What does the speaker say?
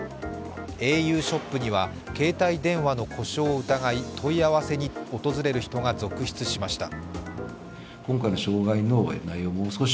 ａｕショップには携帯電話の故障を疑い問い合わせに訪れる人が続出しました。